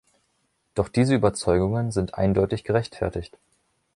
Doch diese Überzeugungen sind eindeutig gerechtfertigt.